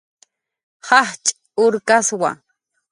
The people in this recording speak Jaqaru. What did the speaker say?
Jajch' urkaswa